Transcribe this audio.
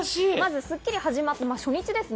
『スッキリ』始まった初日ですね。